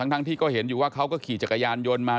ทั้งที่ก็เห็นอยู่ว่าเขาก็ขี่จักรยานยนต์มา